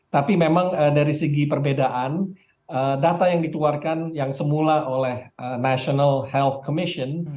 tapi memang dari segi perbedaan data yang dikeluarkan yang semula oleh national health commission